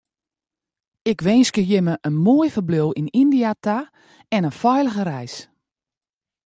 Ik winskje jimme in moai ferbliuw yn Yndia ta en in feilige reis.